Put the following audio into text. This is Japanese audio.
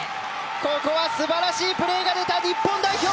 ここは素晴らしいプレーが出た日本代表！